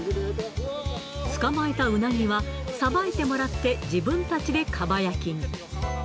捕まえたウナギは、さばいてもらって自分たちでかば焼きに。